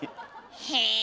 へえ。